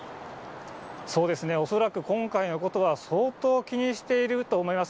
恐らく、今回のことは相当、気にしていると思います。